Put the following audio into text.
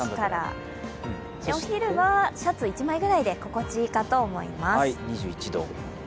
お昼はシャツ１枚くらいで心地いいかと思います。